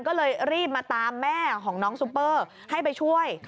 ก็เลยรีบมาตามแม่ของน้องซูเปอร์ให้ไปช่วย